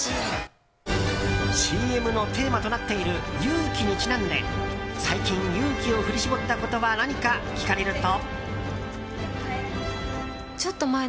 ＣＭのテーマとなっている勇気にちなんで最近、勇気を振り絞ったことは何か聞かれると。